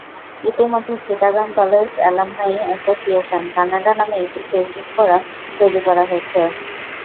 ইতিমধ্যে Chittagong college alumni association, Canada নামে একটি ফেসবুক ফোরাম তৈরি করা হয়েছে।